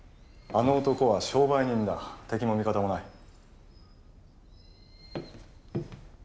あの男は商売人だ敵も味方もない。